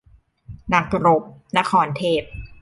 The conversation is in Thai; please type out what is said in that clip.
นักรบ-นครเทพ